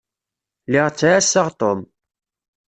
Lliɣ ttɛassaɣ Tom.